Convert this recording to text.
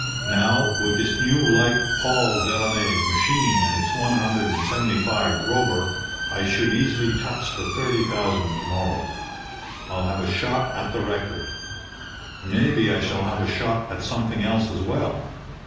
Now, with this new light Paul Veroner machine and its one hundred and seventy five Robur, I should easily touch the thirty thousand to morrow. I'll have a shot at the record. Maybe I shall have a shot at something else as well.